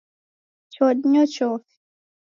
Choo dinyo chofi.